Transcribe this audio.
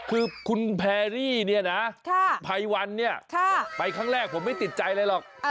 คือคุณแพรรี่ไภวันไปครั้งแรกผมไม่ติดใจอะไรหรอก